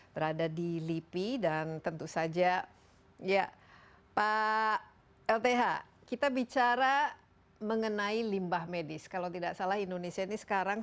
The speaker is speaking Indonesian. tentu saja ya pak lth kita bicara mengenai limbah medis kalau tidak salah indonesia ini sekarang